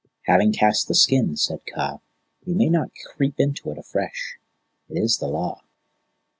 "Having cast the skin," said Kaa, "we may not creep into it afresh. It is the Law."